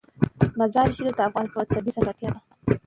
مزارشریف د افغانستان یوه طبیعي ځانګړتیا ده.